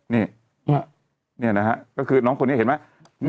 นี่นะฮะก็คือน้องคนนี้เห็นไหม